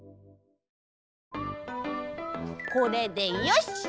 これでよし！